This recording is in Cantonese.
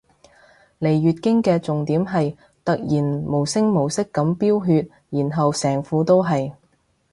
嚟月經嘅重點係突然無聲無息噉飆血然後成褲都係